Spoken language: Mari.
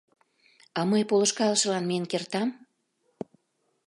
— А мый полышкалышылан миен кертам?